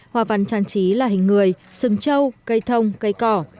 hoa văn trang trí là hình người sừng trâu cây thông cây cỏ